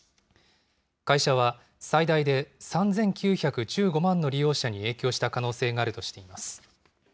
会社は、最大で３９１５万の利用者に影響した可能性があるとしています。